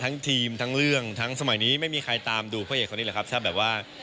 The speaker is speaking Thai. ทั้งทีมทั้งเรื่องทั้งสมัยนี้ไม่มีใครตามดูเพราะเหยกคนนี้แหละครับ